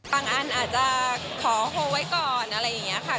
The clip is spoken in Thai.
อันอาจจะขอโฮลไว้ก่อนอะไรอย่างนี้ค่ะ